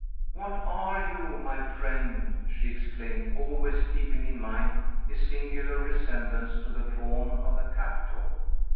"What are you, my friend?" she exclaimed, always keeping in mind his singular resemblance to the Faun of the Capitol.